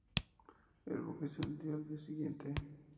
El buque se hundió al día siguiente.